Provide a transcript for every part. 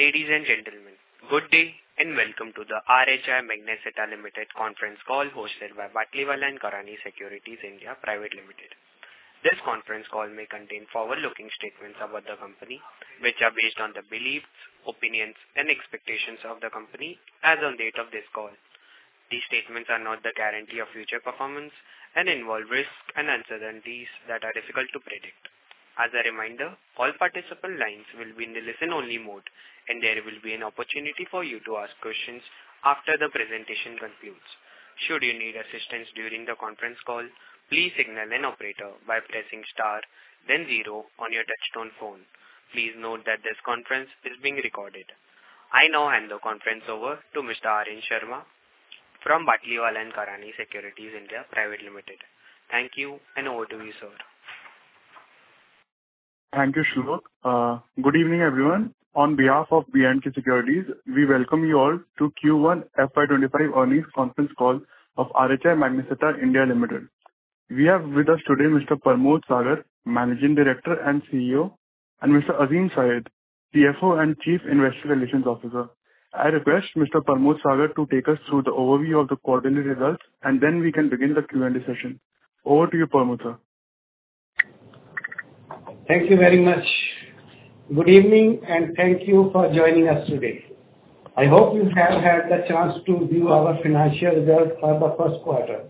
Ladies and gentlemen, good day, and welcome to the RHI Magnesita India Limited conference call hosted by Batlivala & Karani Securities India Private Limited. This conference call may contain forward-looking statements about the company, which are based on the beliefs, opinions, and expectations of the company as on date of this call. These statements are not the guarantee of future performance and involve risks and uncertainties that are difficult to predict. As a reminder, all participant lines will be in the listen-only mode, and there will be an opportunity for you to ask questions after the presentation concludes. Should you need assistance during the conference call, please signal an operator by pressing star then zero on your touchtone phone. Please note that this conference is being recorded. I now hand the conference over to Mr. Aryan Sharma from Batlivala & Karani Securities India Private Limited. Thank you, and over to you, sir. Thank you, Shiva. Good evening, everyone. On behalf of B&K Securities, we welcome you all to Q1 FY 2025 earnings conference call of RHI Magnesita India Limited. We have with us today Mr. Parmod Sagar, Managing Director and CEO, and Mr. Azim Syed, CFO and Chief Investor Relations Officer. I request Mr. Parmod Sagar to take us through the overview of the quarterly results, and then we can begin the Q&A session. Over to you, Parmod, sir. Thank you very much. Good evening, and thank you for joining us today. I hope you have had the chance to view our financial results for the first quarter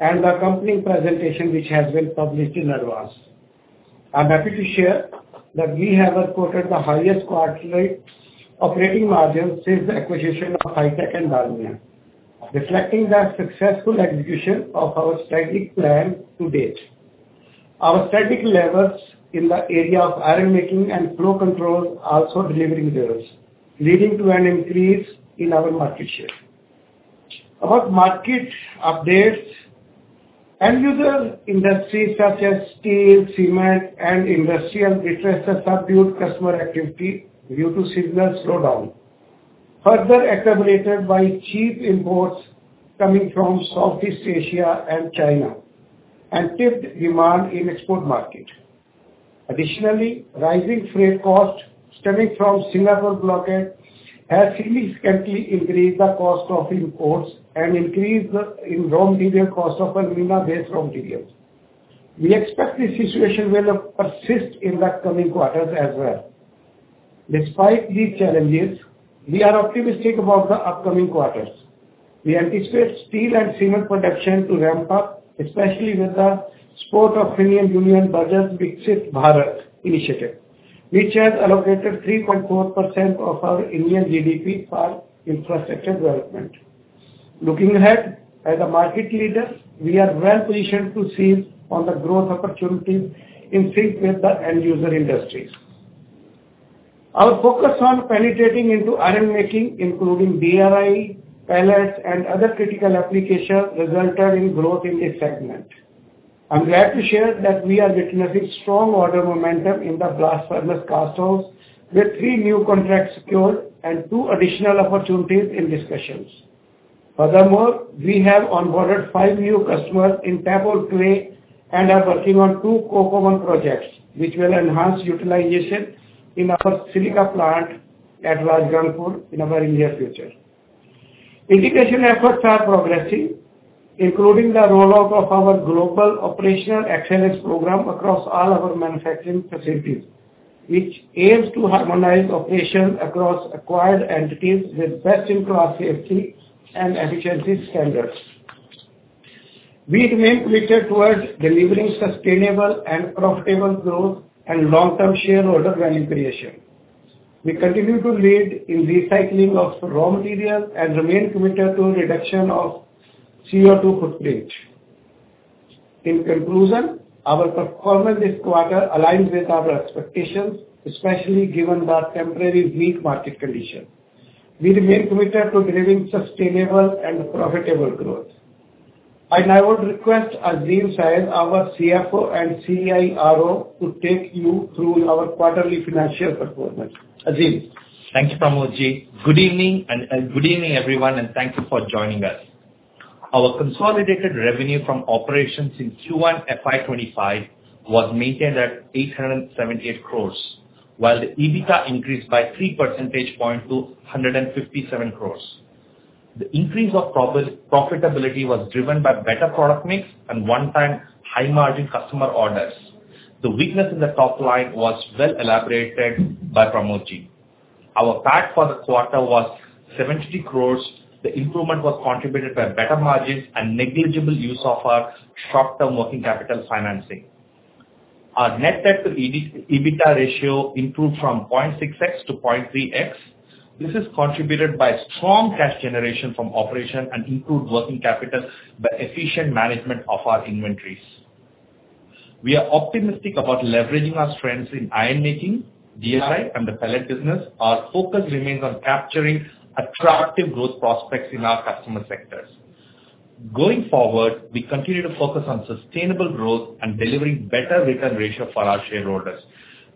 and the accompanying presentation, which has been published in advance. I'm happy to share that we have reported the highest quarterly operating margin since the acquisition of Hi-Tech and Dalmia, reflecting the successful execution of our strategic plan to date. Our strategic levels in the area of ironmaking and flow control are also delivering results, leading to an increase in our market share. About market updates, end-user industries such as steel, cement, and industrial interests are subdued customer activity due to signal slowdown, further exacerbated by cheap imports coming from Southeast Asia and China and tipped demand in export market. Additionally, rising freight costs stemming from Singapore blockade has significantly increased the cost of imports and increased the raw material cost of alumina-based raw materials. We expect this situation will persist in the coming quarters as well. Despite these challenges, we are optimistic about the upcoming quarters. We anticipate steel and cement production to ramp up, especially with the support of Union Budget Viksit Bharat initiative, which has allocated 3.4% of our Indian GDP for infrastructure development. Looking ahead, as a market leader, we are well-positioned to seize on the growth opportunities in sync with the end-user industries. Our focus on penetrating into ironmaking, including DRI, pellets, and other critical applications, resulted in growth in this segment. I'm glad to share that we are witnessing strong order momentum in the blast furnace casthouse, with three new contracts secured and two additional opportunities in discussions. Furthermore, we have onboarded five new customers in taphole clay and are working on two common projects, which will enhance utilization in our silica plant at Rajgangpur in the very near future. Integration efforts are progressing, including the roll-out of our global operational excellence program across all our manufacturing facilities, which aims to harmonize operations across acquired entities with best-in-class safety and efficiency standards. We remain committed towards delivering sustainable and profitable growth and long-term shareholder value creation. We continue to lead in recycling of raw materials and remain committed to reduction of CO2 footprint. In conclusion, our performance this quarter aligns with our expectations, especially given the temporary weak market conditions. We remain committed to delivering sustainable and profitable growth. I now would request Azim Syed, our CFO and CIRO, to take you through our quarterly financial performance. Azim? Thank you, Parmod Ji. Good evening, and good evening, everyone, and thank you for joining us. Our consolidated revenue from operations in Q1 FY 2025 was maintained at 878 crore, while the EBITDA increased by 3 percentage points to 157 crore. The increase of profitability was driven by better product mix and one-time high-margin customer orders. The weakness in the top line was well elaborated by Parmod Ji. Our PAT for the quarter was 70 crore. The improvement was contributed by better margins and negligible use of our short-term working capital financing. Our net debt to EBITDA ratio improved from 0.6x-0.3x. This is contributed by strong cash generation from operation and improved working capital by efficient management of our inventories. We are optimistic about leveraging our strengths in ironmaking, DRI, and the pellet business. Our focus remains on capturing attractive growth prospects in our customer sectors. Going forward, we continue to focus on sustainable growth and delivering better return ratio for our shareholders.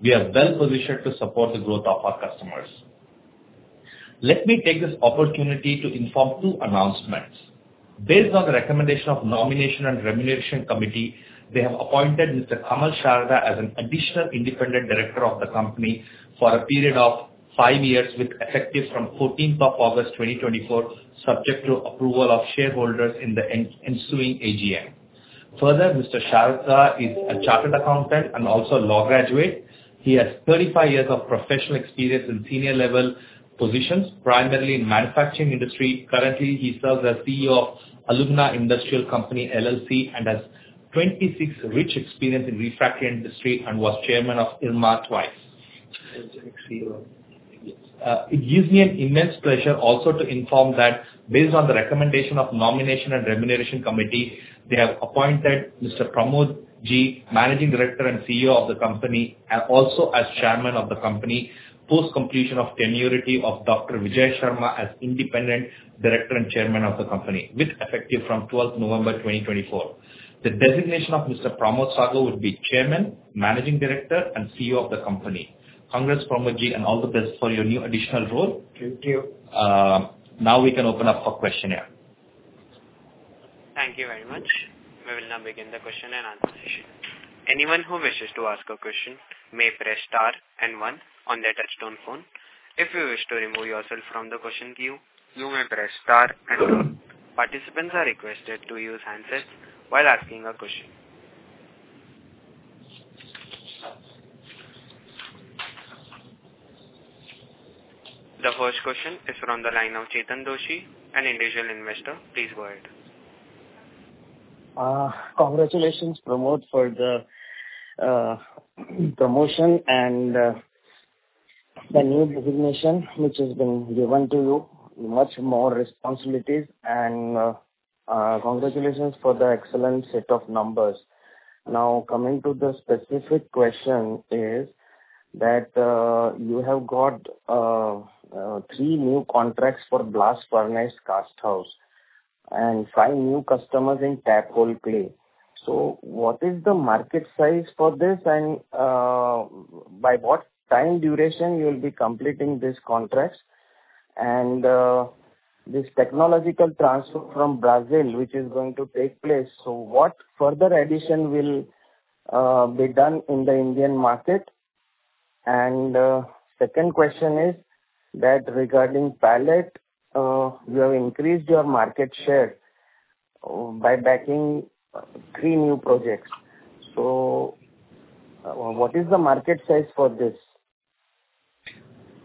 We are well positioned to support the growth of our customers.... Let me take this opportunity to inform two announcements. Based on the recommendation of Nomination and Remuneration Committee, they have appointed Mr. Kamal Sharda as an additional independent director of the company for a period of 5 years, with effect from 14th August, 2024, subject to approval of shareholders in the ensuing AGM. Further, Mr. Sharda is a chartered accountant and also a law graduate. He has 35 years of professional experience in senior level positions, primarily in manufacturing industry. Currently, he serves as CEO of Alumina Industrial Company, LLC, and has 26 rich experience in refractory industry and was chairman of IRMA twice. It gives me an immense pleasure also to inform that based on the recommendation of Nomination and Remuneration Committee, they have appointed Mr. Parmod Sagar, Managing Director and CEO of the company, and also as Chairman of the company, post-completion of tenure of Dr. Vijay Sharma as Independent Director and Chairman of the company, with effective from twelfth November, 2024. The designation of Mr. Parmod Sagar would be Chairman, Managing Director, and CEO of the company. Congrats, Parmod Ji, and all the best for your new additional role. Thank you. Now we can open up for questionnaire. Thank you very much. We will now begin the question and answer session. Anyone who wishes to ask a question may press star and one on their touchtone phone. If you wish to remove yourself from the question queue, you may press star and two. Participants are requested to use handsets while asking a question. The first question is from the line of Chetan Doshi, an individual investor. Please go ahead. Congratulations, Parmod, for the promotion and the new designation, which has been given to you. Much more responsibilities, and congratulations for the excellent set of numbers. Now, coming to the specific question is, that you have got 3 new contracts for blast furnace casthouse and 5 new customers in taphole clay. So what is the market size for this, and by what time duration you will be completing this contract? And this technological transfer from Brazil, which is going to take place, so what further addition will be done in the Indian market? And second question is that regarding pellet, you have increased your market share by backing 3 new projects. So what is the market size for this?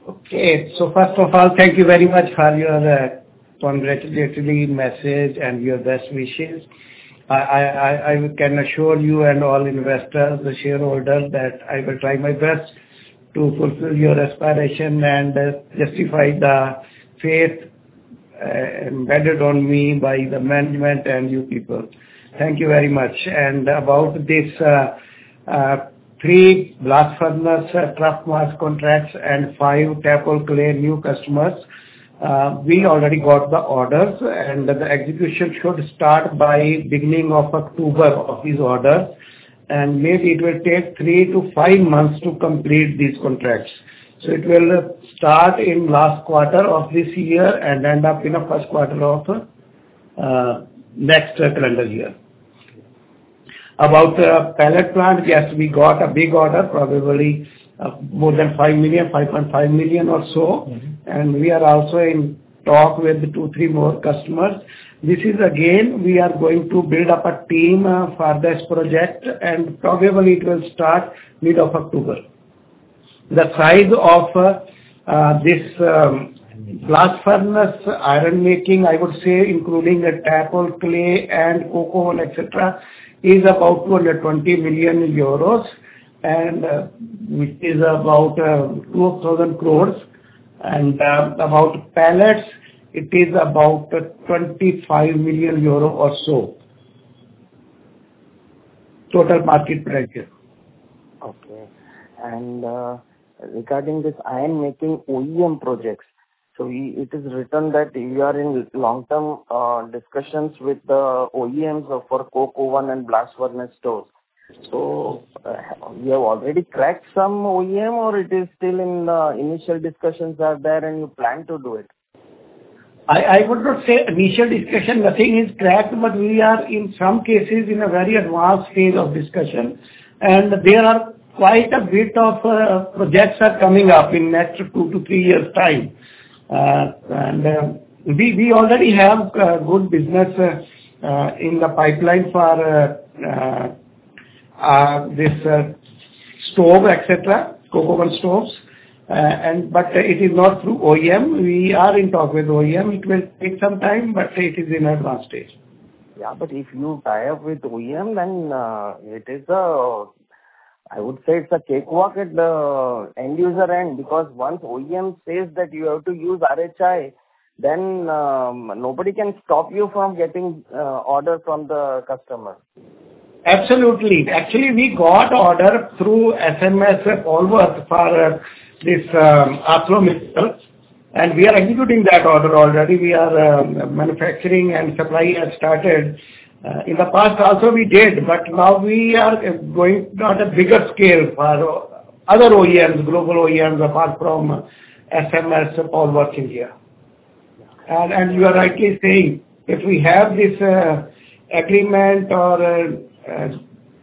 Okay. So first of all, thank you very much for your congratulatory message and your best wishes. I can assure you and all investors, the shareholders, that I will try my best to fulfill your aspiration and justify the faith embedded on me by the management and you people. Thank you very much. About this three blast furnace taphole mass contracts and five taphole clay new customers, we already got the orders, and the execution should start by beginning of October of this order, and maybe it will take 3-5 months to complete these contracts. So it will start in last quarter of this year and end up in the first quarter of next calendar year. About the pellet plant, yes, we got a big order, probably more than 5 million, 5.5 million or so. Mm-hmm. We are also in talks with two, three more customers. This is again, we are going to build up a team for this project, and probably it will start mid-October. The size of this blast furnace ironmaking, I would say, including the taphole clay and coke oven, et cetera, is about 220 million euros, and it is about 2,000 crore. And about pellets, it is about 25 million euro or so, total market price. Okay. Regarding this iron making OEM projects, so it is written that you are in long-term discussions with the OEMs for coke oven and blast furnace stoves. So, you have already cracked some OEM or it is still in initial discussions are there and you plan to do it? I would not say initial discussion. Nothing is cracked, but we are, in some cases, in a very advanced stage of discussion, and there are quite a bit of projects are coming up in next 2-3 years' time. And we already have good business in the pipeline for this stove, et cetera, coke oven stoves. And but it is not through OEM. We are in talk with OEM. It will take some time, but it is in advanced stage. Yeah, but if you tie up with OEM, then it is a... I would say it's a cakewalk at the end user end, because once OEM says that you have to use RHI, then nobody can stop you from getting orders from the customer. Absolutely. Actually, we got order through SMS Paul Wurth for this ArcelorMittal itself, and we are executing that order already. We are manufacturing and supply has started. In the past also we did, but now we are going on a bigger scale for other OEMs, global OEMs, apart from SMS Paul Wurth, India. And you are rightly saying, if we have this agreement or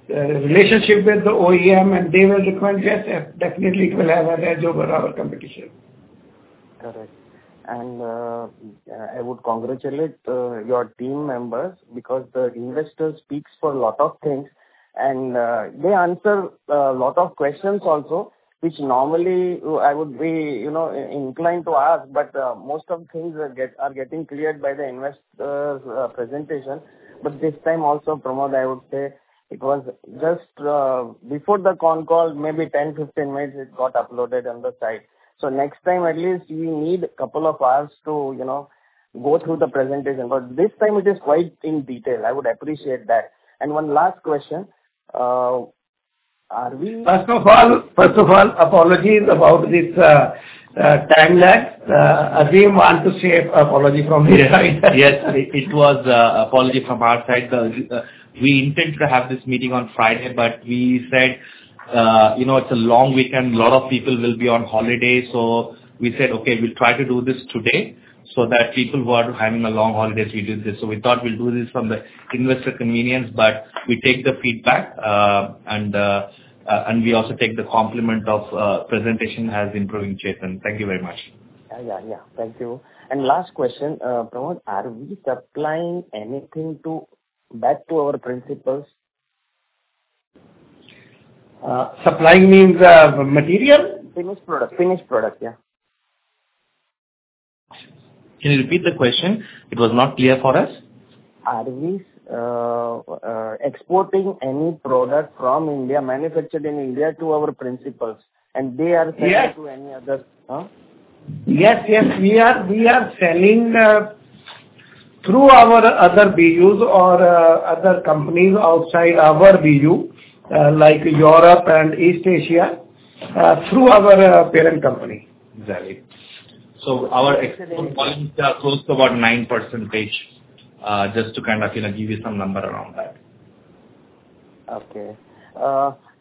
relationship with the OEM, and they will require, yes, yeah, definitely it will have an edge over our competition. Correct. And, I would congratulate your team members, because the investor speaks for a lot of things. And, they answer a lot of questions also, which normally I would be, you know, inclined to ask, but most of the things are getting cleared by the investors' presentation. But this time also, Parmod, I would say it was just before the con call, maybe 10-15 minutes, it got uploaded on the site. So next time, at least we need a couple of hours to, you know, go through the presentation, but this time it is quite in detail. I would appreciate that. And one last question, are we- First of all, first of all, apologies about this time lapse. Azim want to say apology from his side. Yes, it was apology from our side. We intend to have this meeting on Friday, but we said, you know, it's a long weekend, a lot of people will be on holiday. So we said, "Okay, we'll try to do this today," so that people who are having a long holidays, we do this. So we thought we'd do this from the investor convenience, but we take the feedback. And we also take the compliment of presentation as improving, Chetan. Thank you very much. Yeah, yeah, yeah. Thank you. Last question, Parmod, are we supplying anything back to our principals? Supplying means material? Finished product. Finished product, yeah. Can you repeat the question? It was not clear for us. Are we exporting any product from India, manufactured in India to our principals, and they are- Yes. selling to any other, Yes, yes, we are, we are selling through our other BUs or other companies outside our BU, like Europe and East Asia, through our parent company. Exactly. So our export points are close to about 9%, just to kind of, you know, give you some number around that. Okay.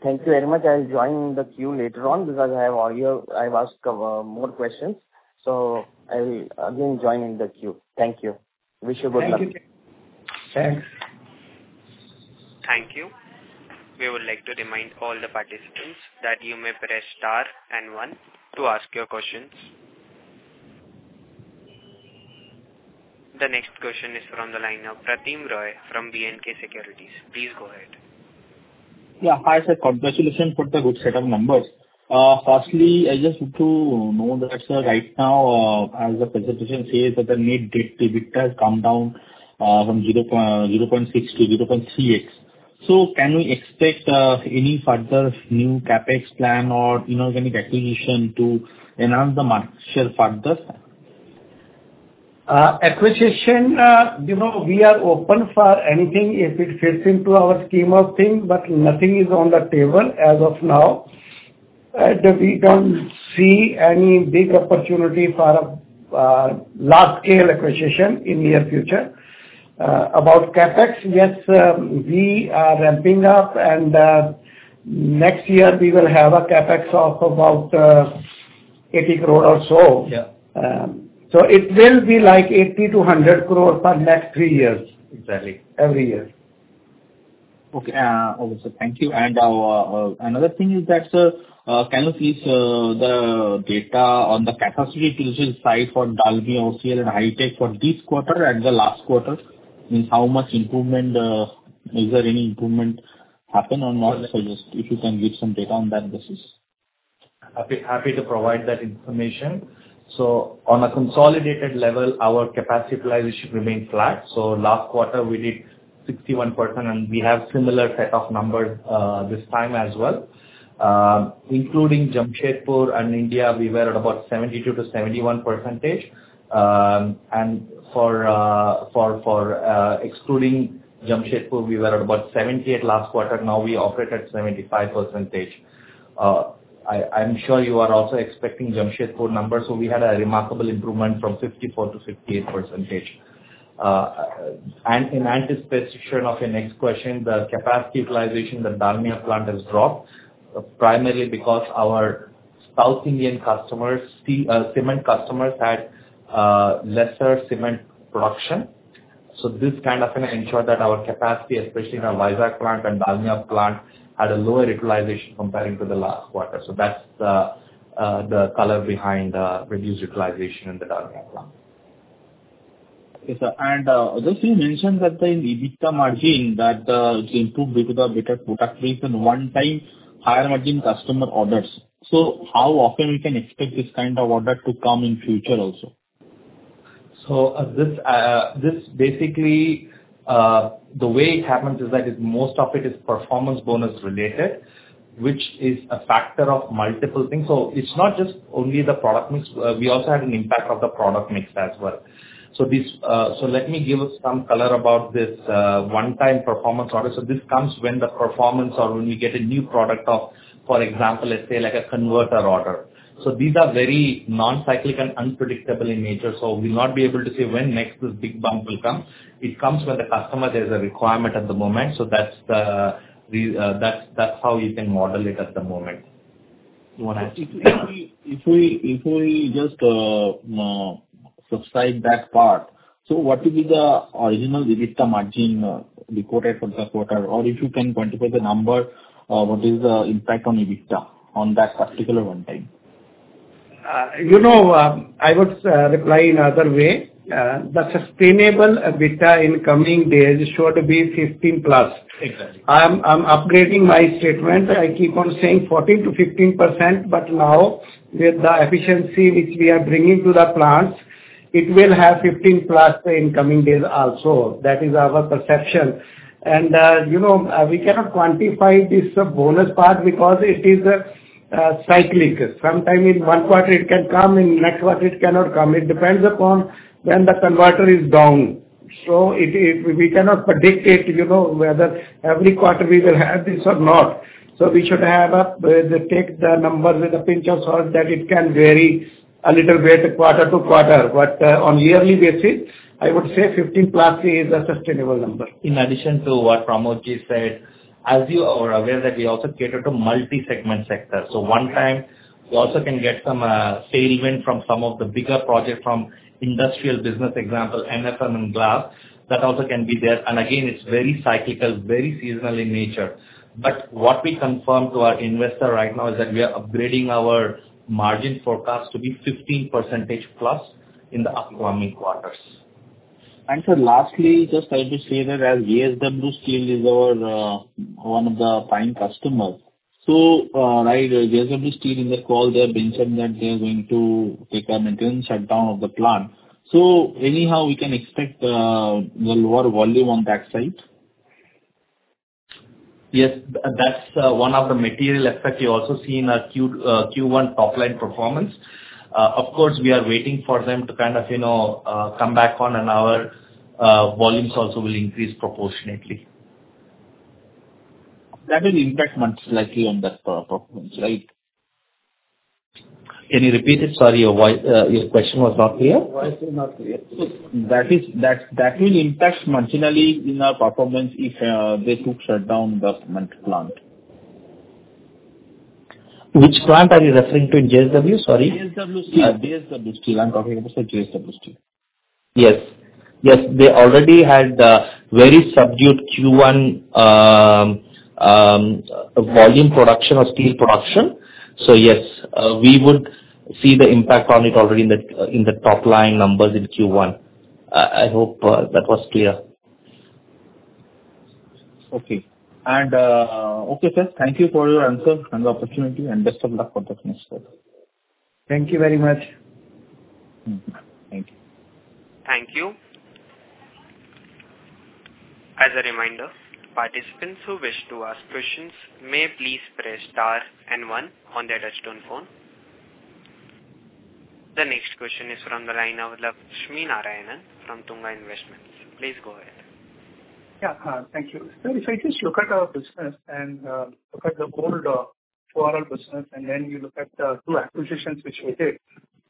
Thank you very much. I'll join the queue later on because I have all your... I've asked more questions, so I will again join in the queue. Thank you. Thank you. Wish you good luck. Thanks. Thank you. We would like to remind all the participants that you may press star and one to ask your questions. The next question is from the line of Pratim Roy from B&K Securities. Please go ahead. Yeah. Hi, sir. Congratulations for the good set of numbers. Firstly, I just need to know that, sir, right now, as the presentation says, that the net debt to EBITDA has come down, from 0.6 to 0.3x. So can we expect any further new CapEx plan or inorganic acquisition to enhance the margin share further, sir? Acquisition, you know, we are open for anything if it fits into our scheme of things, but nothing is on the table as of now. We don't see any big opportunity for a large-scale acquisition in near future. About CapEx, yes, we are ramping up, and next year we will have a CapEx of about 80 crore or so. Yeah. So, it will be like 80 crore-100 crore per next three years. Exactly. Every year. Okay, sir, thank you. And another thing is that, sir, can you please the data on the capacity utilization side for Dalmia OCL and Hi-Tech for this quarter and the last quarter? Means, how much improvement is there any improvement happened or not? So just if you can give some data on that basis. Happy, happy to provide that information. So on a consolidated level, our capacity utilization remains flat. So last quarter, we did 61%, and we have similar set of numbers this time as well. Including Jamshedpur and India, we were at about 72%-71%. And for excluding Jamshedpur, we were at about 70% last quarter. Now we operate at 75%. I'm sure you are also expecting Jamshedpur numbers, so we had a remarkable improvement from 54%-58%. And in anticipation of your next question, the capacity utilization, the Dalmia plant has dropped, primarily because our South Indian customers, see, cement customers had lesser cement production. So this kind of gonna ensure that our capacity, especially in our Vizag plant and Dalmia plant, had a lower utilization comparing to the last quarter. That's the color behind the reduced utilization in the Dalmia plant. Okay, sir, and just you mentioned that the EBITDA margin, that it improved due to the better product mix and one-time higher-margin customer orders. So how often we can expect this kind of order to come in future also? So, this basically, the way it happens is that it's most of it is performance bonus related, which is a factor of multiple things. So it's not just only the product mix, we also had an impact of the product mix as well. So let me give us some color about this one-time performance order. So this comes when the performance or when we get a new product of, for example, let's say like a converter order. So these are very non-cyclic and unpredictable in nature, so we'll not be able to say when next this big bump will come. It comes when the customer there is a requirement at the moment, so that's the, we, that's, that's how you can model it at the moment. If we just subside that part, so what will be the original EBITDA margin reported for the quarter? Or if you can quantify the number, what is the impact on EBITDA on that particular one time? You know, I would reply in other way. The sustainable EBITDA in coming days should be 15%+. Exactly. I'm upgrading my statement. I keep on saying 14%-15%, but now with the efficiency which we are bringing to the plants, it will have 15%+ in coming days also. That is our perception. And, you know, we cannot quantify this bonus part because it is cyclic. Sometimes in one quarter it can come, in next quarter it cannot come. It depends upon when the converter is down. So we cannot predict it, you know, whether every quarter we will have this or not. So we should take the number with a pinch of salt, that it can vary a little bit quarter to quarter, but on yearly basis, I would say 15%+ is a sustainable number. In addition to what Parmod ji said, as you are aware that we also cater to multi-segment sector. So one time we also can get some sales event from some of the bigger projects from industrial business, example, NFM and Glass, that also can be there. And again, it's very cyclical, very seasonal in nature. But what we confirm to our investor right now is that we are upgrading our margin forecast to be 15%+ in the upcoming quarters. Sir, lastly, just try to say that as JSW Steel is our, one of the prime customers, so, right, JSW Steel in the call, they've mentioned that they are going to take a maintenance shutdown of the plant. So anyhow, we can expect, lower volume on that side? Yes, that's one of the material effect you also see in our Q1 top line performance. Of course, we are waiting for them to kind of, you know, come back on, and our volumes also will increase proportionately. That will impact months likely on that performance, right? Can you repeat it? Sorry, your voice, your question was not clear. Voice is not clear. That is, that will impact marginally in our performance if they took shutdown the cement plant. Which plant are you referring to? JSW, sorry. JSW Steel. JSW Steel. I'm talking about the JSW Steel. Yes. Yes, they already had the very subdued Q1, volume production or steel production. So yes, we would see the impact on it already in the top line numbers in Q1. I hope that was clear. Okay, sir, thank you for your answer and the opportunity, and best of luck for the next quarter. Thank you very much. Hmm, thank you. Thank you. As a reminder, participants who wish to ask questions may please press star and one on their touchtone phone. The next question is from the line of Lakshminarayanan from Tunga Investments. Please go ahead. Yeah, thank you. So if I just look at our business and look at the old RHI business, and then you look at the two acquisitions which we did,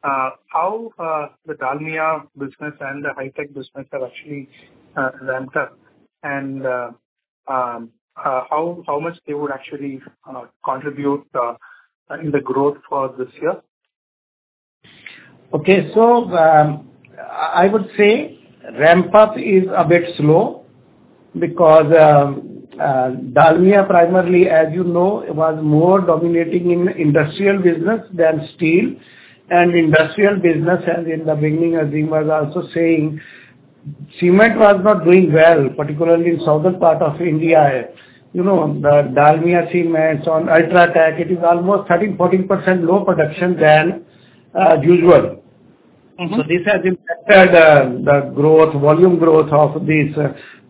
how the Dalmia business and the Hi-Tech business have actually ramped up, and how much they would actually contribute in the growth for this year? Okay. So, I would say ramp up is a bit slow because, Dalmia primarily, as you know, was more dominating in industrial business than steel. And industrial business, as in the beginning, Azim was also saying, cement was not doing well, particularly in southern part of India. You know, the Dalmia Cement, on UltraTech, it is almost 13%-14% low production than, usual. Mm-hmm. So this has impacted the growth, volume growth of these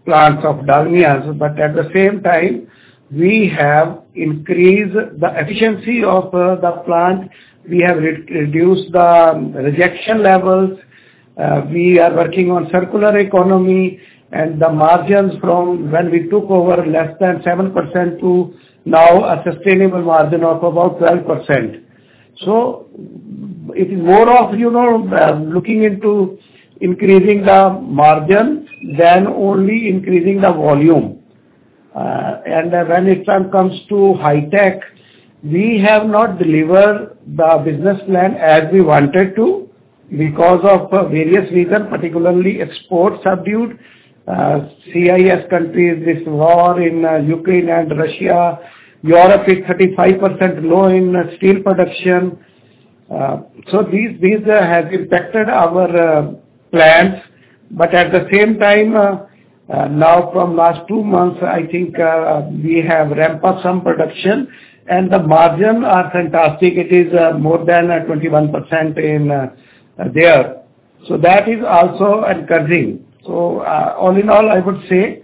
plants of Dalmia. But at the same time, we have increased the efficiency of the plant, we have reduced the rejection levels, we are working on circular economy, and the margins from when we took over less than 7% to now a sustainable margin of about 12%. So it is more of, you know, looking into increasing the margin than only increasing the volume. And when it comes to Hi-Tech, we have not delivered the business plan as we wanted to because of various reasons, particularly exports subdued, CIS countries, this war in Ukraine and Russia, Europe is 35% low in steel production. So these has impacted our plans. But at the same time, now from last two months, I think, we have ramped up some production, and the margin are fantastic. It is, more than, 21% in there. So that is also encouraging. So, all in all, I would say,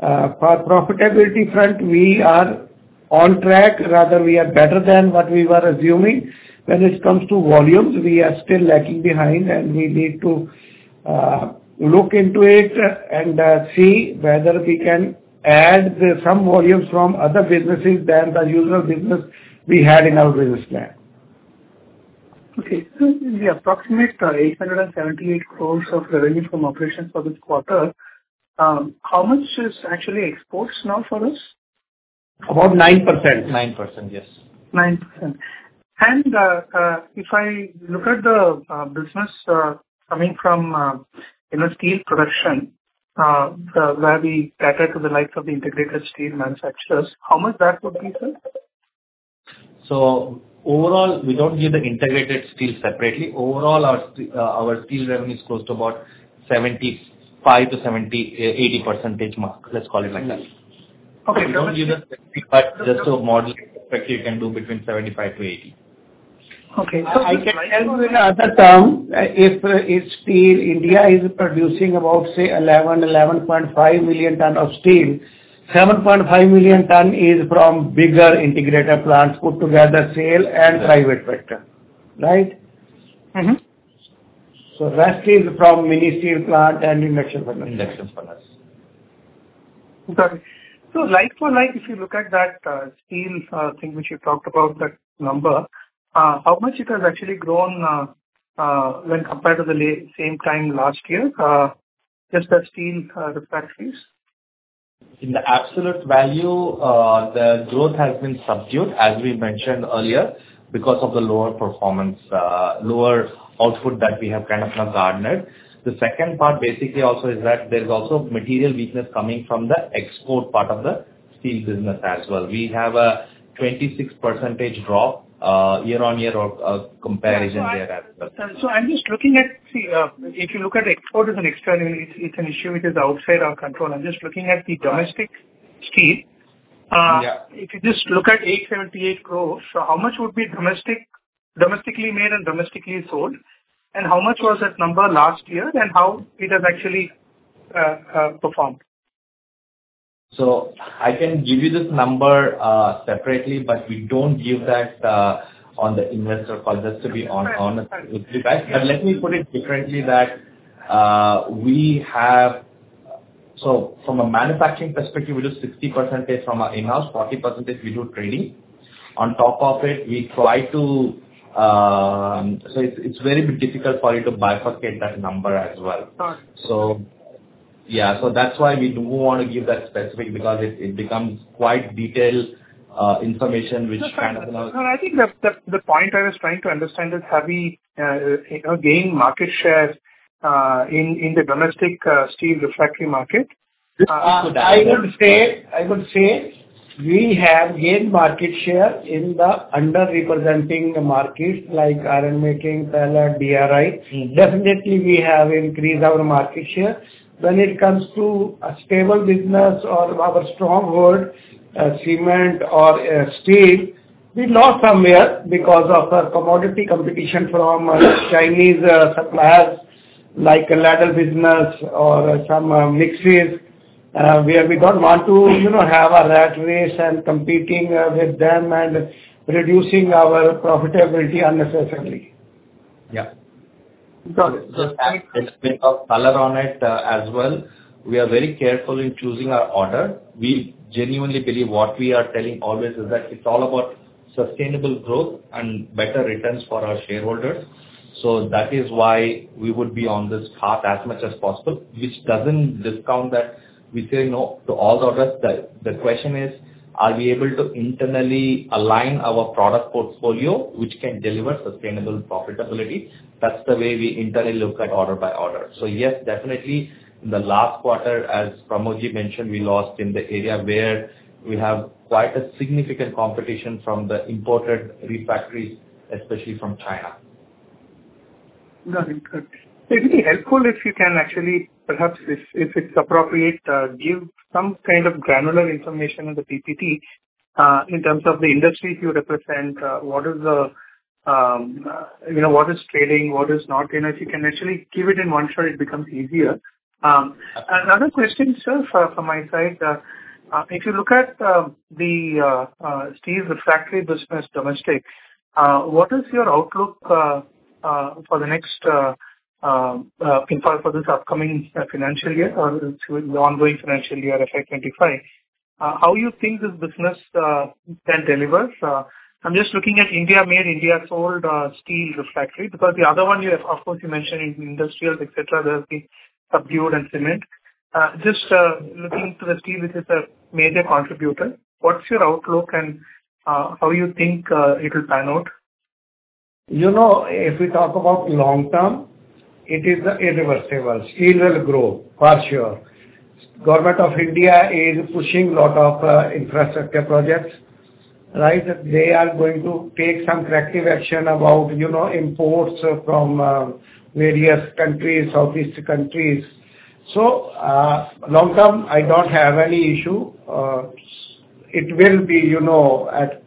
for profitability front, we are on track, rather, we are better than what we were assuming. When it comes to volumes, we are still lagging behind, and we need to, look into it and, see whether we can add some volumes from other businesses than the usual business we had in our business plan.... Okay, so in the approximate 878 crore of revenue from operations for this quarter, how much is actually exports now for us? About 9%. 9%, yes. 9%. And, if I look at the business coming from, you know, steel production, the where we cater to the likes of the integrated steel manufacturers, how much that would be, sir? So overall, we don't give the integrated steel separately. Overall, our steel revenue is close to about 75-80 percentage mark, let's call it like that. Okay. We don't give a specific, but just so model you can do between 75-80. Okay. I can tell you in other terms, if steel in India is producing about, say, 11, 11.5 million tons of steel, 7.5 million tons is from bigger integrated plants put together, SAIL and private sector, right? Mm-hmm. That steel is from mini steel plant and induction furnace. Induction furnace. Got it. So like for like, if you look at that, steel thing which you talked about, that number, when compared to the same time last year? Just the steel refractories. In the absolute value, the growth has been subdued, as we mentioned earlier, because of the lower performance, lower output that we have kind of now garnered. The second part basically also is that there's also material weakness coming from the export part of the steel business as well. We have a 26% drop, year-on-year of, comparison there as well. So I'm just looking at... See, if you look at export as an external, it's, it's an issue which is outside our control. I'm just looking at the domestic steel. Yeah. If you just look at 878 growth, so how much would be domestic, domestically made and domestically sold? And how much was that number last year, and how it has actually performed? I can give you this number separately, but we don't give that on the investor call, just to be honest with you back. Yes. But let me put it differently, that, we have. So from a manufacturing perspective, we do 60% from our in-house, 40% we do trading. On top of it, we try to. So it's, it's very bit difficult for you to bifurcate that number as well. Got it. So yeah, so that's why we don't want to give that specific, because it, it becomes quite detailed, information which kind of- No, I think the point I was trying to understand is, have we, you know, gained market share in the domestic steel refractory market? I would say, I would say we have gained market share in the under-represented markets, like ironmaking, pellet, DRI. Mm. Definitely, we have increased our market share. When it comes to a stable business or our stronghold, cement or steel, we lost somewhere because of the commodity competition from Chinese suppliers, like ladle business or some mixes. We don't want to, you know, have a rat race and competing with them and reducing our profitability unnecessarily. Yeah. Got it. Just to explain of color on it, as well, we are very careful in choosing our order. We genuinely believe what we are telling always is that it's all about sustainable growth and better returns for our shareholders. So that is why we would be on this path as much as possible, which doesn't discount that we say no to all orders. The question is, are we able to internally align our product portfolio, which can deliver sustainable profitability? That's the way we internally look at order by order. So yes, definitely, in the last quarter, as Parmod mentioned, we lost in the area where we have quite a significant competition from the imported refractories, especially from China. Got it. Good. It would be helpful if you can actually, perhaps, if, if it's appropriate, give some kind of granular information on the PPT, in terms of the industry you represent, what is the, you know, what is trading, what is not, you know, if you can actually give it in one shot, it becomes easier. Another question, sir, from my side, if you look at the steel refractory business, domestic, what is your outlook, for the next, in fact, for this upcoming financial year or the ongoing financial year, FY 2025? How you think this business can deliver? I'm just looking at India-made, India-sold steel refractory, because the other one you, of course, you mentioned in industrials, et cetera, they have been subdued in cement. Just looking to the steel, which is a major contributor, what's your outlook and how you think it will pan out? You know, if we talk about long term, it is irreversible. Steel will grow, for sure. Government of India is pushing a lot of infrastructure projects, right? They are going to take some corrective action about, you know, imports from various countries, Southeast countries. So, long term, I don't have any issue. It will be, you know, at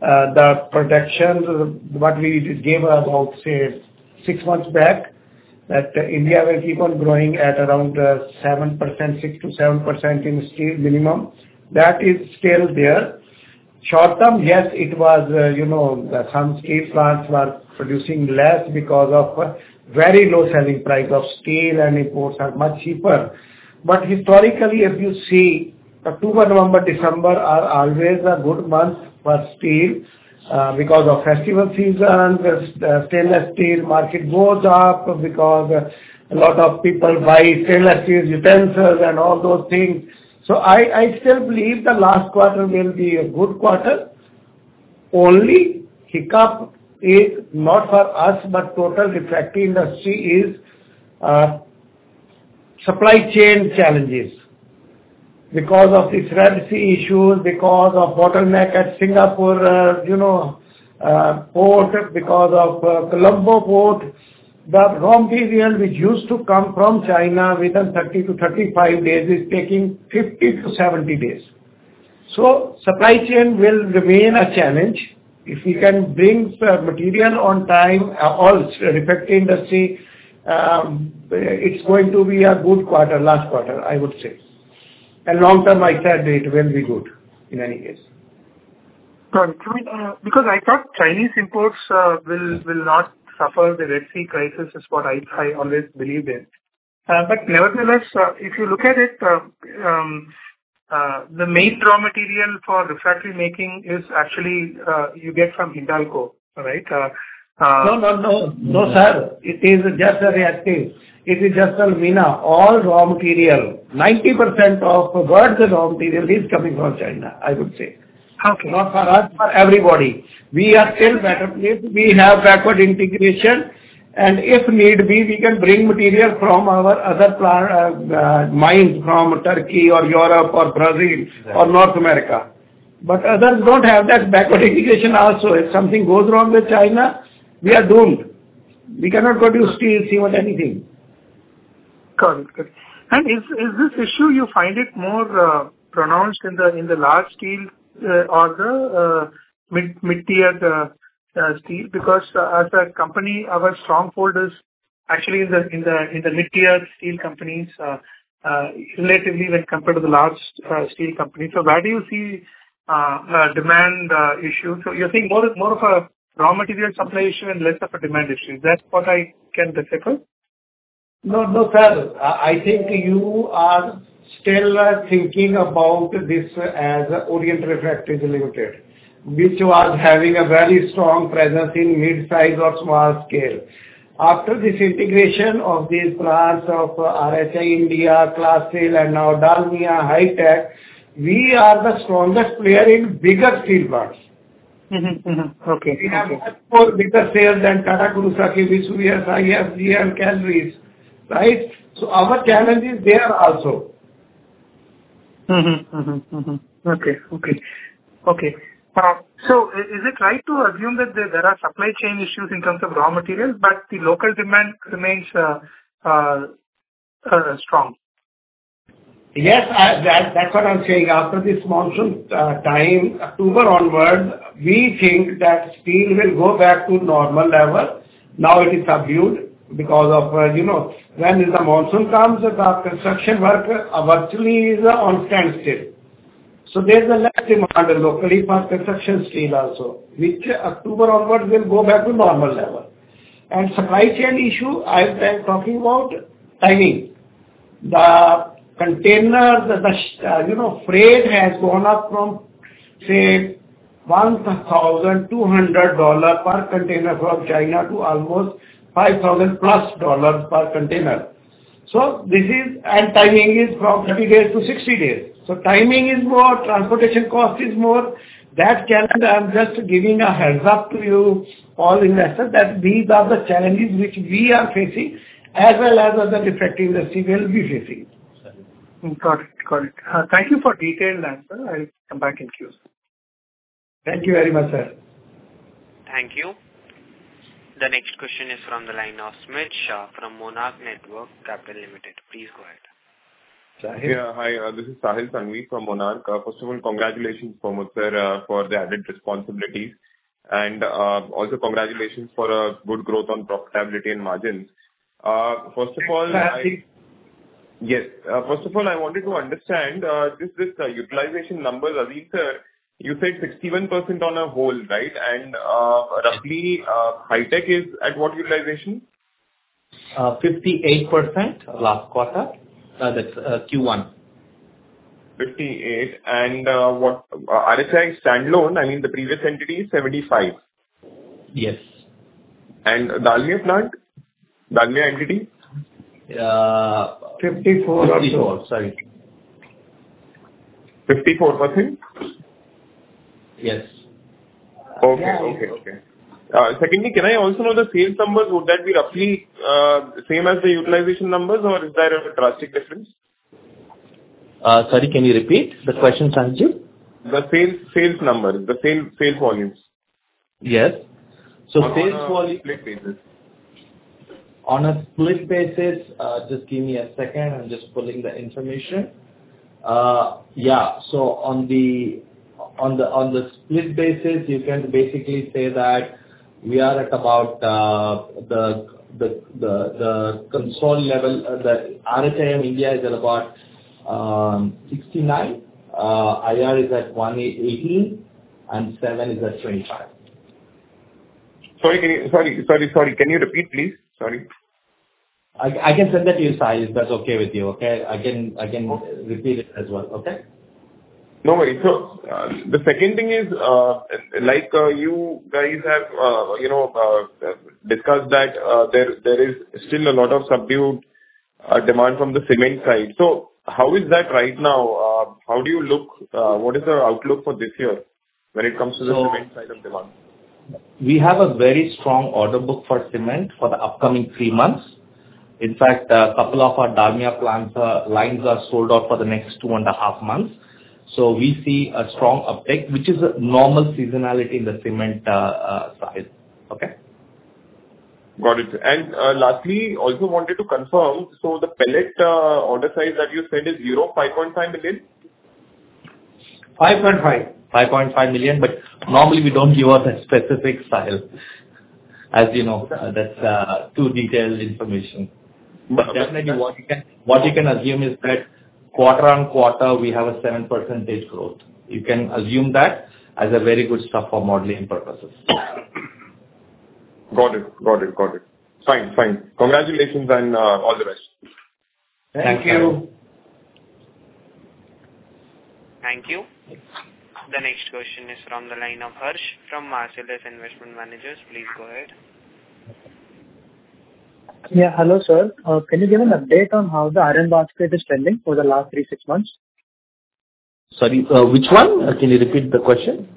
the projections, what we gave about, say, six months back, that India will keep on growing at around 7%, 6%-7% in steel minimum. That is still there. Short term, yes, it was, you know, some steel plants were producing less because of very low selling price of steel and imports are much cheaper. But historically, if you see-... October, November, December are always a good month for steel, because of festival season, the stainless steel market goes up because a lot of people buy stainless steel utensils and all those things. So I still believe the last quarter will be a good quarter. Only hiccup is not for us, but total refractory industry is supply chain challenges. Because of the Red Sea issues, because of bottleneck at Singapore, you know, port, because of Colombo port. The raw material which used to come from China within 30-35 days, is taking 50-70 days. So supply chain will remain a challenge. If we can bring the material on time, all refractory industry, it's going to be a good quarter, last quarter, I would say. And long term, I said, it will be good in any case. Got it. Because I thought Chinese imports will not suffer the Red Sea crisis, is what I always believed in. But nevertheless, if you look at it, the main raw material for refractory making is actually you get from Hindalco, right? No, no, no. No, sir, it is just a refractory. It is just alumina, all raw material. 90% of world's raw material is coming from China, I would say. Okay. Not for us, for everybody. We are still better placed. We have backward integration, and if need be, we can bring material from our other mines from Turkey or Europe or Brazil or North America, but others don't have that backward integration also. If something goes wrong with China, we are doomed. We cannot produce steel, almost anything. Got it. Got it. And is this issue you find it more pronounced in the large steel or the mid-tier steel? Because as a company, our stronghold is actually in the mid-tier steel companies, relatively when compared to the large steel companies. So where do you see demand issues? So you're seeing more of a raw material supply issue and less of a demand issue. Is that what I can decipher? No, no, sir. I think you are still thinking about this as Orient Refractories Limited, which was having a very strong presence in mid-size or small scale. After this integration of these plants of RHI India, RHI Clasil and now Dalmia Hi-Tech, we are the strongest player in bigger steel plants. Mm-hmm. Mm-hmm. Okay. We have much more bigger sales than Tata Krosaki, Vesuvius, we have, we have Calderys, right? So our challenge is there also. Mm-hmm, mm-hmm, mm-hmm. Okay, okay. Okay, so is it right to assume that there are supply chain issues in terms of raw materials, but the local demand remains strong? Yes, that's what I'm saying. After this monsoon time, October onwards, we think that steel will go back to normal level. Now it is subdued because of, you know, when the monsoon comes, the construction work eventually is on standstill. So there's a less demand locally for construction steel also, which October onwards will go back to normal level. And supply chain issue, I've been talking about timing. The container, you know, freight has gone up from, say, $1,200 per container from China to almost $5,000+ per container. So this is. And timing is from 30 days to 60 days. So timing is more, transportation cost is more. That challenge, I'm just giving a heads up to you, all investors, that these are the challenges which we are facing, as well as other refractory industry will be facing. Got it. Got it. Thank you for detailed answer. I'll come back in queue. Thank you very much, sir. Thank you. The next question is from the line of Smit Shah, from Monarch Networth Capital Limited. Please go ahead. Sahil. Yeah. Hi, this is Sahil Sanghvi from Monarch. First of all, congratulations, Parmod sir, for the added responsibilities, and also congratulations for good growth on profitability and margins. First of all, I- Thank you. Yes. First of all, I wanted to understand this utilization numbers, Azim sir, you said 61% on a whole, right? And roughly, Hi-Tech is at what utilization? 58% last quarter. That's Q1. 58. And, what, RHI standalone, I mean the previous entity, 75? Yes. Dalmia plant, Dalmia entity? 54 also. 54, sorry. Fifty-four percent? Yes. Okay. Okay, okay. Secondly, can I also know the sales numbers? Would that be roughly same as the utilization numbers, or is there a drastic difference? Sorry, can you repeat the question, Sanghi? The sales, sales number, the sales, sales volumes. Yes. So sales volume- On a split basis. On a split basis, just give me a second. I'm just pulling the information. Yeah, so on the split basis, you can basically say that we are at about the consolidated level, the RHI India is at about 69, IR is at 18, and 7 is at 25. Sorry, sorry, sorry, sorry. Can you repeat, please? Sorry. I can send that to you, Sai, if that's okay with you, okay? I can repeat it as well, okay? No worries. So, the second thing is, like, you guys have, you know, discussed that, there is still a lot of subdued demand from the cement side. So how is that right now? How do you look, what is the outlook for this year when it comes to the cement side of demand? We have a very strong order book for cement for the upcoming three months. In fact, a couple of our Dalmia plants, lines are sold out for the next two and a half months. So we see a strong uptick, which is a normal seasonality in the cement, side. Okay? Got it. And, lastly, also wanted to confirm, so the pellet order size that you said is 5.5 million? 5.5. 5.5 million, but normally we don't give out a specific size. As you know, that's too detailed information. But- Definitely, what you can, what you can assume is that quarter-on-quarter, we have a 7% growth. You can assume that as a very good stuff for modeling purposes. Got it. Got it, got it. Fine. Fine. Congratulations, and all the best. Thank you. Thank you. Thank you. The next question is from the line of Harsh, from Marcellus Investment Managers. Please go ahead. Yeah, hello, sir. Can you give an update on how the ironmaking is trending for the last three, six months? Sorry, which one? Can you repeat the question?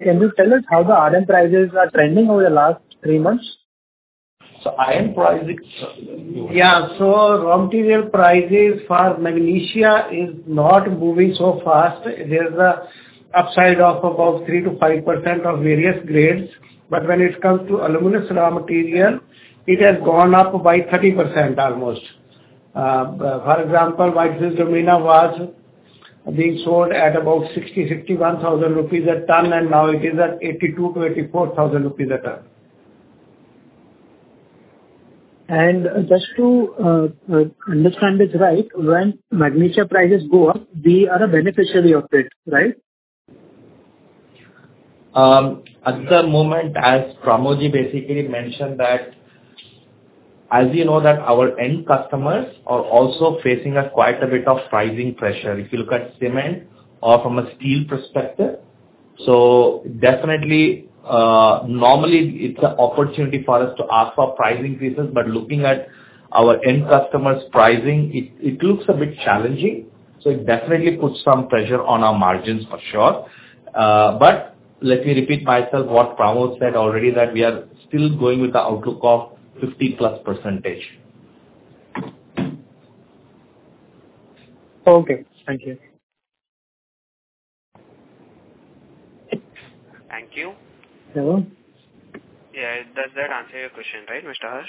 Can you tell us how the iron prices are trending over the last three months? So iron prices- Yeah, so raw material prices for magnesia is not moving so fast. There's an upside of about 3%-5% of various grades, but when it comes to alumina raw material, it has gone up by 30% almost. For example, bauxite alumina was being sold at about 60,000-61,000 rupees a ton, and now it is at 82,000-84,000 rupees a ton. Just to understand this right, when Magnesia prices go up, we are a beneficiary of it, right? At the moment, as Parmod basically mentioned that, as you know, that our end customers are also facing quite a bit of pricing pressure. If you look at cement or from a steel perspective, so definitely, normally it's an opportunity for us to ask for pricing increases, but looking at our end customers' pricing, it, it looks a bit challenging. So it definitely puts some pressure on our margins for sure. But let me repeat myself, what Parmod said already, that we are still going with the outlook of 50%+. Okay, thank you. Thank you. Hello? Yeah. Does that answer your question right, Mr. Harsh?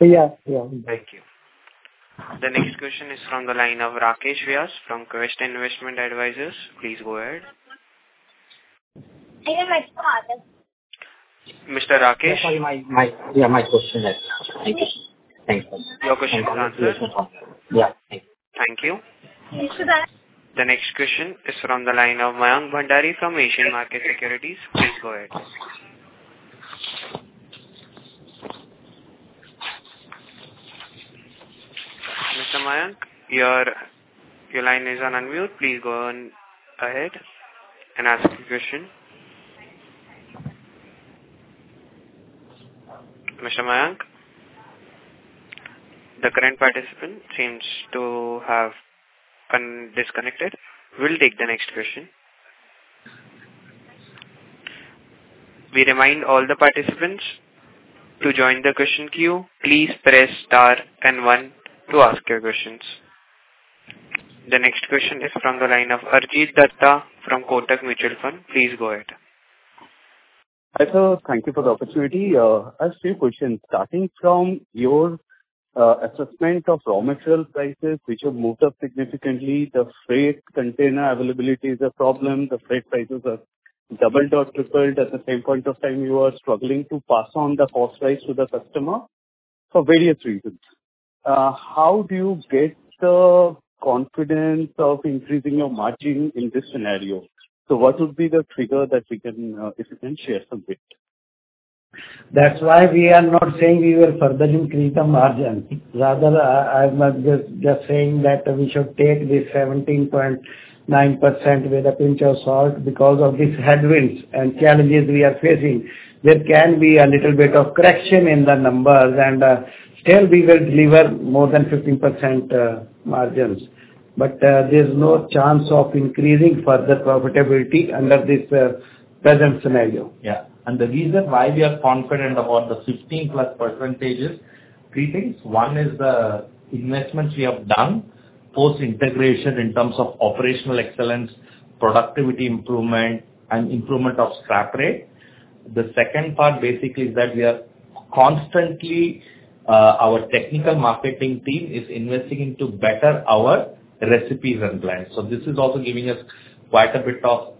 Yeah, yeah. Thank you. The next question is from the line of Rakesh Vyas from Quest Investment Advisors. Please go ahead. Hey, Mr. Rakesh- Mr. Rakesh? Yeah, my question is answered. Thank you. Your question is answered. Yeah. Thank you. The next question is from the line of Mayank Bhandari from Asian Markets Securities. Please go ahead. Mr. Mayank, your line is on unmute. Please go ahead and ask your question. Mr. Mayank? The current participant seems to have disconnected. We'll take the next question. We remind all the participants to join the question queue. Please press star and one to ask your questions. The next question is from the line of Arijit Dutta from Kotak Mutual Fund. Please go ahead. Hi, sir. Thank you for the opportunity. I have three questions. Starting from your assessment of raw material prices, which have moved up significantly, the freight container availability is a problem, the freight prices have doubled or tripled. At the same point of time, you are struggling to pass on the cost price to the customer for various reasons. How do you get the confidence of increasing your margin in this scenario? What would be the trigger that we can, if you can share some bit? That's why we are not saying we will further increase the margin. Rather, I'm just saying that we should take the 17.9% with a pinch of salt, because of these headwinds and challenges we are facing. There can be a little bit of correction in the numbers, and still we will deliver more than 15% margins. But, there's no chance of increasing further profitability under this present scenario. Yeah, and the reason why we are confident about the 15%+ is three things. One is the investments we have done, post-integration in terms of operational excellence, productivity improvement, and improvement of scrap rate. The second part basically is that we are constantly, our technical marketing team is investing into better our recipes and plans. So this is also giving us quite a bit of,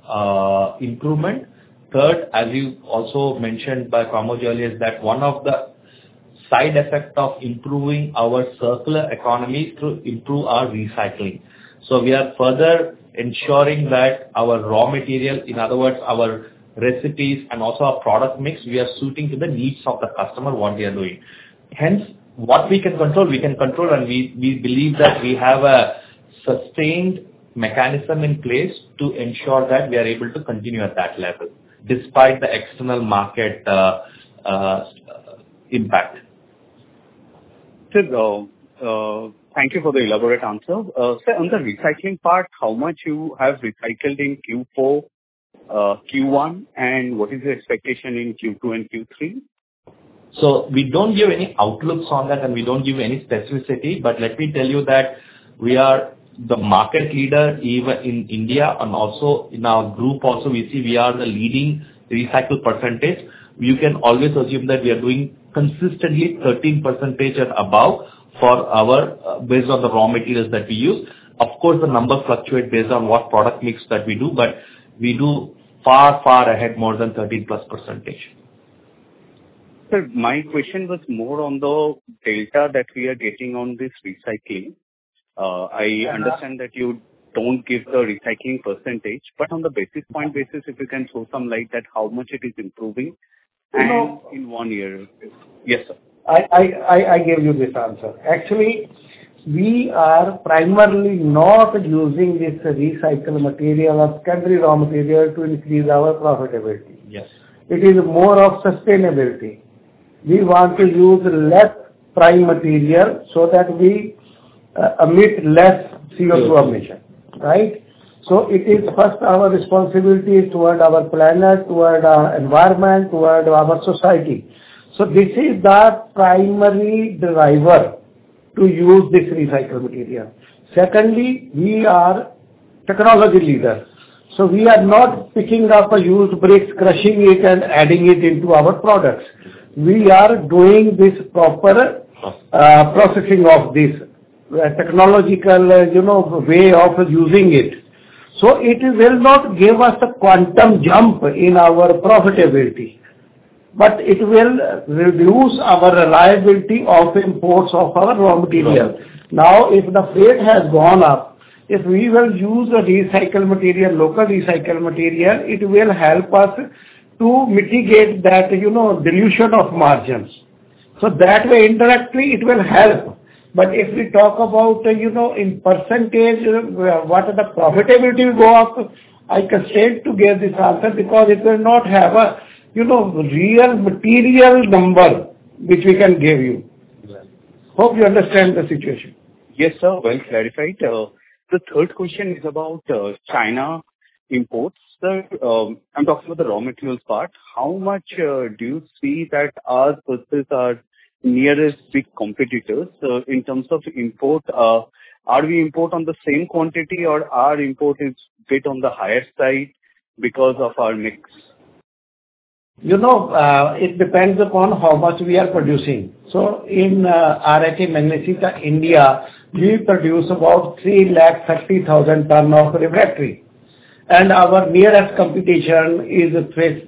improvement. Third, as you also mentioned by Parmod earlier, is that one of the side effect of improving our circular economy through improve our recycling. So we are further ensuring that our raw material, in other words, our recipes and also our product mix, we are suiting to the needs of the customer, what we are doing. Hence, what we can control, we can control, and we, we believe that we have a sustained mechanism in place to ensure that we are able to continue at that level, despite the external market impact. Sir, thank you for the elaborate answer. Sir, on the recycling part, how much you have recycled in Q4, Q1? And what is the expectation in Q2 and Q3? We don't give any outlooks on that, and we don't give any specificity, but let me tell you that we are the market leader even in India and also in our group also, we see we are the leading recycled percentage. You can always assume that we are doing consistently 13% and above for our, based on the raw materials that we use. Of course, the numbers fluctuate based on what product mix that we do, but we do far, far ahead, more than 13%+. Sir, my question was more on the data that we are getting on this recycling. Yeah. I understand that you don't give the recycling percentage, but on the basis point basis, if you can throw some light at how much it is improving? So- and in one year. Yes, sir. I give you this answer. Actually, we are primarily not using this recycled material or secondary raw material to increase our profitability. Yes. It is more of sustainability. We want to use less prime material so that we emit less CO2 emission, right? So it is first our responsibility toward our planet, toward our environment, toward our society. So this is the primary driver to use this recycled material. Secondly, we are technology leader, so we are not picking up used bricks, crushing it, and adding it into our products. We are doing this proper- Yes... processing of this, technological, you know, way of using it. So it will not give us a quantum jump in our profitability, but it will reduce our reliability of imports of our raw material. Raw material. Now, if the freight has gone up, if we will use the recycled material, local recycled material, it will help us to mitigate that, you know, dilution of margins. So that way, indirectly, it will help. But if we talk about, you know, in percentage, what is the profitability go up, I am constrained to give this answer because it will not have a, you know, real material number, which we can give you. Right. Hope you understand the situation. Yes, sir. Well clarified. The third question is about China imports. Sir, I'm talking about the raw materials part. How much do you see that our versus our nearest big competitors in terms of import? Are we import on the same quantity or our import is bit on the higher side because of our mix? You know, it depends upon how much we are producing. So in RHI Magnesita India, we produce about 330,000 tons of refractory, and our nearest competition is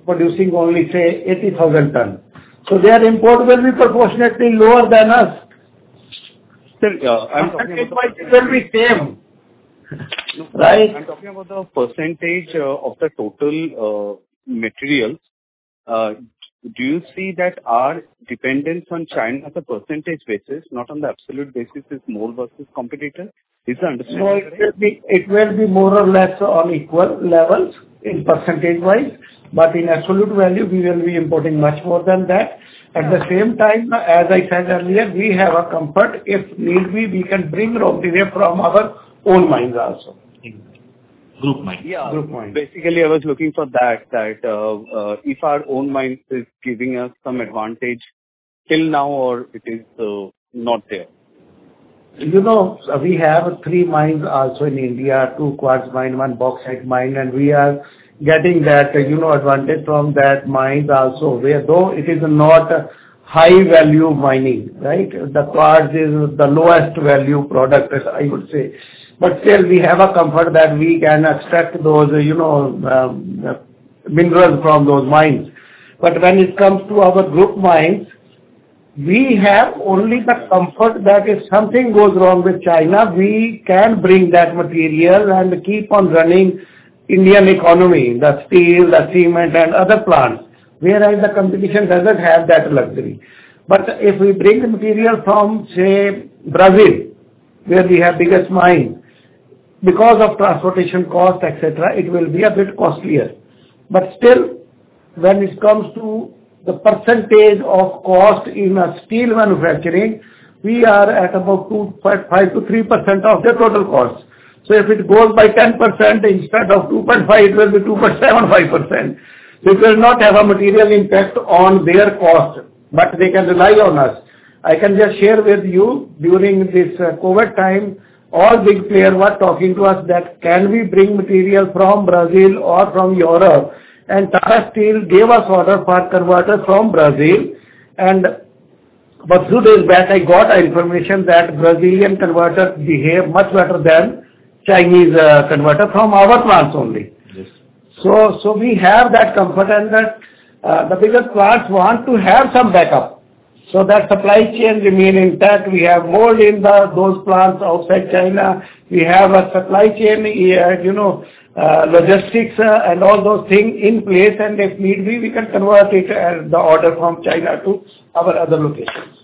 producing only, say, 80,000 tons. So their import will be proportionately lower than us. Sir, I'm talking about- It will be same, right? I'm talking about the percentage of the total materials. Do you see that our dependence on China at a percentage basis, not on the absolute basis, is more versus competitor? Is the understanding right? No, it will be, it will be more or less on equal levels in percentage-wise, but in absolute value, we will be importing much more than that. Right. At the same time, as I said earlier, we have a comfort if need be, we can bring raw material from our own mines also. Mm-hmm. Group mines. Yeah, group mines. Basically, I was looking for that, that, if our own mines is giving us some advantage till now or it is not there. You know, we have three mines also in India, two quartz mine, one bauxite mine, and we are getting that, you know, advantage from that mines also. Where though it is not high value mining, right? The quartz is the lowest value product, I would say. But still, we have a comfort that we can extract those, you know, mineral from those mines. But when it comes to our group mines, we have only the comfort that if something goes wrong with China, we can bring that material and keep on running Indian economy, the steel, the cement and other plants. Whereas the competition doesn't have that luxury. But if we bring the material from, say, Brazil, where we have biggest mine, because of transportation cost, et cetera, it will be a bit costlier. But still, when it comes to the percentage of cost in a steel manufacturing, we are at about 2.5%-3% of the total cost. So if it goes by 10% instead of 2.5, it will be 2.75%. It will not have a material impact on their cost, but they can rely on us. I can just share with you, during this COVID time, all big players were talking to us that, "Can we bring material from Brazil or from Europe?" And Tata Steel gave us order for converter from Brazil. And but two days back, I got information that Brazilian converter behave much better than Chinese converter from our plants only. Yes. So we have that comfort and that the bigger plants want to have some backup, so that supply chain remain intact. We have more in those plants outside China. We have a supply chain, yeah, you know, logistics, and all those things in place, and if need be, we can convert it, the order from China to our other locations.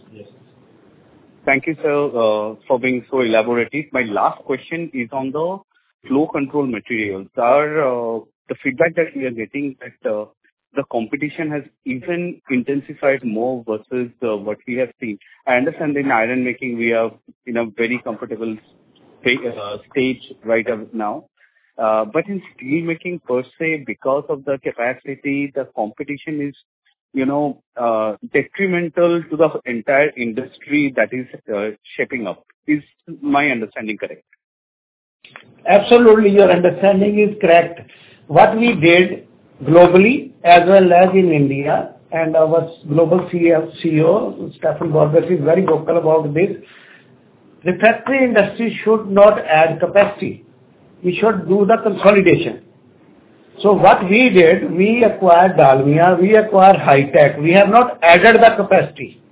Yes. Thank you, sir, for being so elaborative. My last question is on the flow control materials. Our... The feedback that we are getting that, the competition has even intensified more versus, what we have seen. I understand in Ironmaking we are in a very comfortable stage right now. But in Steelmaking per se, because of the capacity, the competition is, you know, detrimental to the entire industry that is, shaping up. Is my understanding correct? Absolutely, your understanding is correct. What we did globally as well as in India and our global CEO, CEO, Stefan Borgas, is very vocal about this. Refractory industry should not add capacity, we should do the consolidation. So what we did, we acquired Dalmia, we acquired Hi-Tech. We have not added the capacity.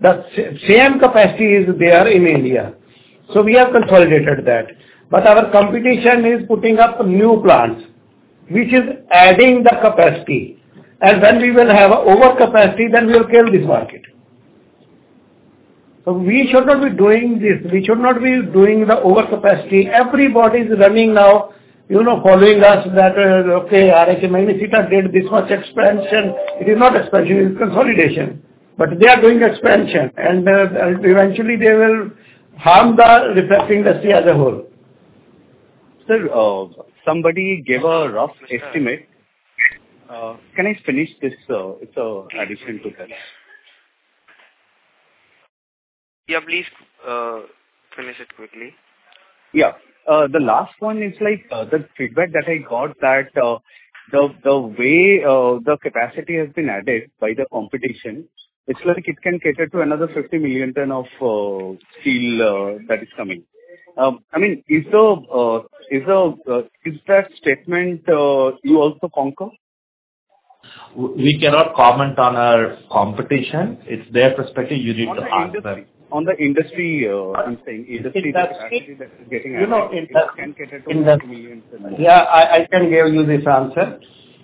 The same capacity is there in India, so we have consolidated that. But our competition is putting up new plants, which is adding the capacity. And when we will have overcapacity, then we will kill this market. So we should not be doing this, we should not be doing the overcapacity. Everybody is running now, you know, following us that, okay, RHI Magnesita did this much expansion. It is not expansion, it's consolidation. But they are doing expansion, and eventually they will harm the refractory industry as a whole. Sir, somebody gave a rough estimate... Can I finish this? It's an addition to that. Yeah, please, finish it quickly. Yeah. The last one is like, the feedback that I got that, the way the capacity has been added by the competition, it's like it can cater to another 50 million ton of steel that is coming. I mean, is that statement you also concur? We cannot comment on our competition. It's their perspective. You need to ask them. On the industry, I'm saying industry. In that case- You know, can cater to- Yeah, I can give you this answer.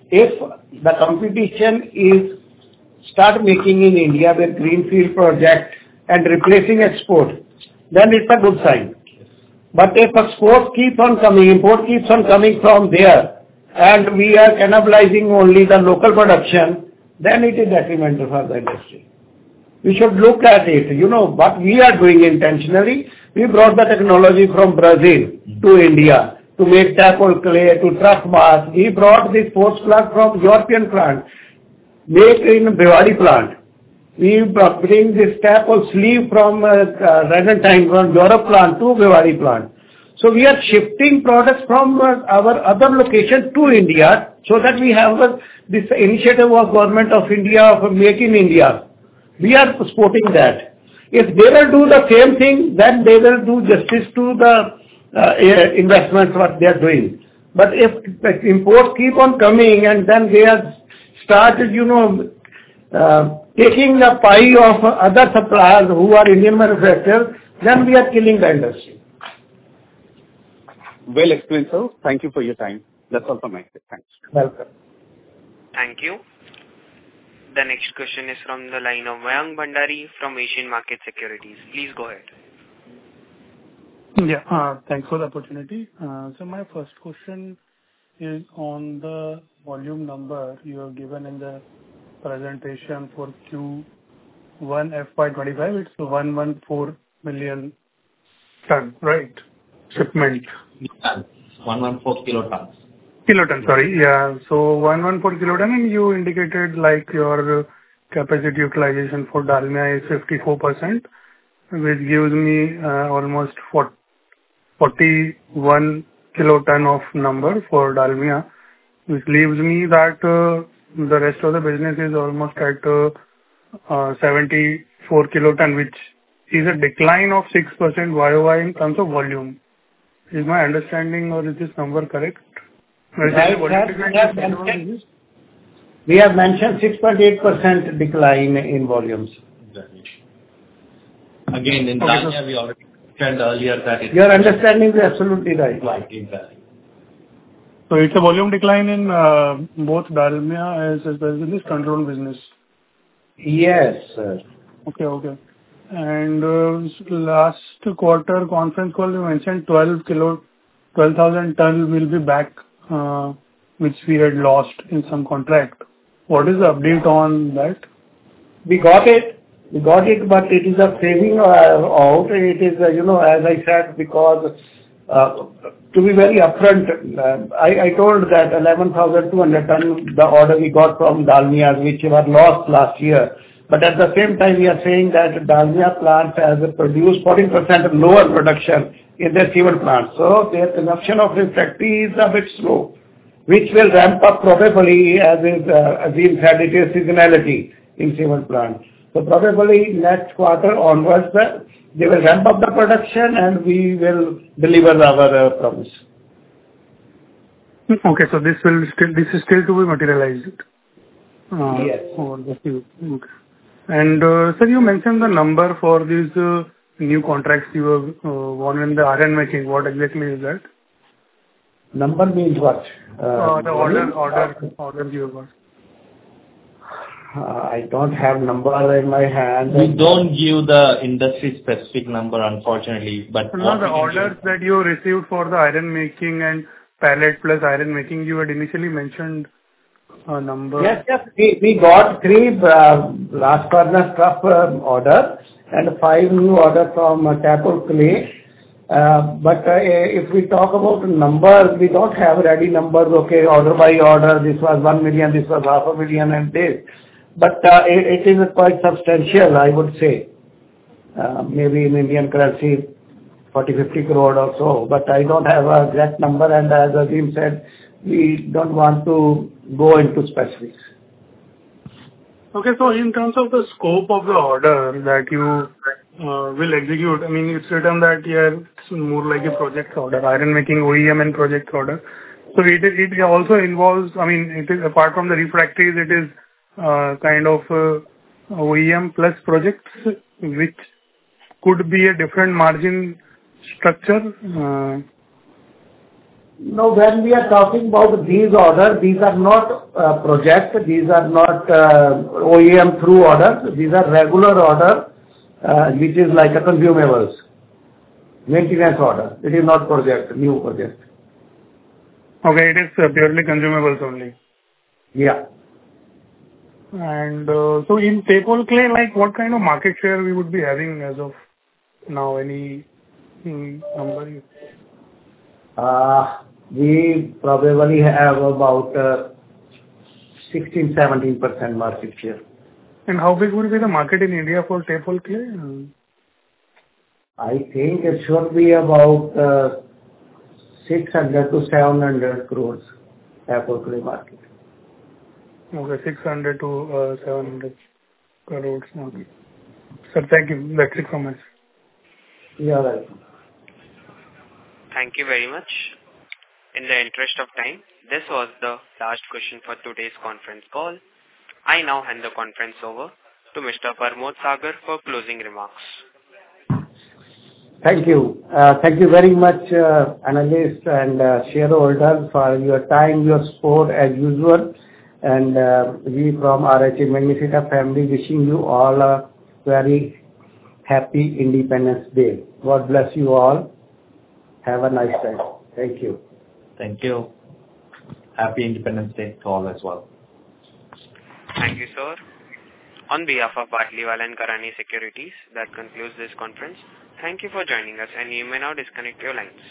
If the competition is start making in India with greenfield project and replacing export, then it's a good sign. Yes. But if imports keep on coming, import keeps on coming from there, and we are cannibalizing only the local production, then it is detrimental for the industry. We should look at it. You know, what we are doing intentionally, we brought the technology from Brazil to India to make taphole clay, to [dart bar]. We brought the purging plug from European plant, made in Bhiwadi plant. We brought, bring this isostatic products from, Radenthein, from Europe plant to Bhiwadi plant. So we are shifting products from, our other locations to India, so that we have the, this initiative of Government of India, of Make in India. We are supporting that. If they will do the same thing, then they will do justice to the, investment what they are doing. But if the imports keep on coming and then they have started, you know, taking a pile of other suppliers who are Indian manufacturers, then we are killing the industry. Well explained, sir. Thank you for your time. That's all from my side. Thanks. Welcome. Thank you. The next question is from the line of Mayank Bhandari from Asian Markets Securities. Please go ahead. Yeah. Thanks for the opportunity. So my first question is on the volume number you have given in the presentation for Q1 FY25. It's 114 million tonnes, right? Shipment. 114 kilotons. Kilotons, sorry. Yeah, so 114 kilotons, and you indicated like your capacity utilization for Dalmia is 54%, which gives me almost 41 kilotons number for Dalmia. Which leaves me that the rest of the business is almost at 74 kilotons, which is a decline of 6% YOY in terms of volume. Is my understanding or is this number correct? We have mentioned 6.8% decline in volumes. Again, in Dalmia we already said earlier that it- Your understanding is absolutely right. Right. So it's a volume decline in both Dalmia as well as this controlled business? Yes, sir. Okay, okay. And last quarter conference call, you mentioned 12,000 tons will be back, which we had lost in some contract. What is the update on that? We got it. We got it, but it is a phasing out, and it is, you know, as I said, because, to be very upfront, I, I told that 11,200 ton, the order we got from Dalmia, which were lost last year. But at the same time, we are saying that Dalmia plant has produced 40% lower production in their cement plant. So their consumption of refractory is a bit slow, which will ramp up probably, as we've had it, a seasonality in cement plant. So probably next quarter onwards, we will ramp up the production and we will deliver our promise. Okay, so this will still, this is still to be materialized? Yes. Okay. And, sir, you mentioned the number for these new contracts you have won in the iron making. What exactly is that? Number means what? The order you got. I don't have number in my hand. We don't give the industry-specific number, unfortunately, but- No, the orders that you received for the ironmaking and pellet plus ironmaking, you had initially mentioned a number. Yes, yes. We, we got three blast furnace trough order, and five new order from Taphole Clay. But, if we talk about the numbers, we don't have ready numbers, okay, order by order. This was 1 million, this was 500,000 and this... But, it, it is quite substantial, I would say. Maybe in Indian currency, 40-50 crore or so, but I don't have an exact number, and as Azim said, we don't want to go into specifics. Okay. So in terms of the scope of the order that you will execute, I mean, it's written that you are more like a project order, iron making OEM and project order. So it also involves, I mean, it is kind of OEM plus projects, which could be a different margin structure? No, when we are talking about these orders, these are not projects, these are not OEM through orders. These are regular order, which is like a consumables, maintenance order. It is not project, new project. Okay, it is purely consumables only. Yeah. So in Taphole Clay, like, what kind of market share we would be having as of now? Any number? We probably have about 16%-17% market share. How big would be the market in India for Taphole Clay? I think it should be about 600-700 crore Taphole Clay market. Okay, 600-700 crore market. Sir, thank you. That's it from my side. You are welcome. Thank you very much. In the interest of time, this was the last question for today's conference call. I now hand the conference over to Mr. Parmod Sagar for closing remarks. Thank you. Thank you very much, analysts and shareholders for your time, your support as usual. We from RHI Magnesita family wishing you all a very Happy Independence Day. God bless you all. Have a nice day. Thank you. Thank you. Happy Independence Day to all as well. Thank you, sir. On behalf of Batlivala & Karani Securities, that concludes this conference. Thank you for joining us, and you may now disconnect your lines.